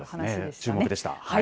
注目でした。